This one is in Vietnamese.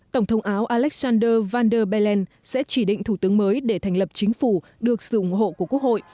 tổng thống áo alexander van der bellen sẽ chỉ định thủ tướng mới để thành lập chính phủ được sự ủng hộ của quốc hội